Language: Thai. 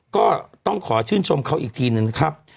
ก็ต้องขอชื่นชมเขาอีกทีหนึ่งนะครับ